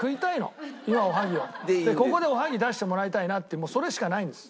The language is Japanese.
ここでおはぎ出してもらいたいなってもうそれしかないんです。